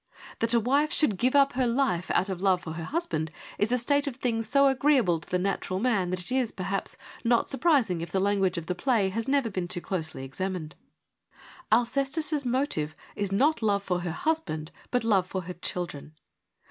That a wife should give up her life out of love for her husband is a state of things so agreeable to the natural man that it is, perhaps, not surprising if the language of the play has never been too closely examined. Alcestis' motive is not love for her husband, but love for her children.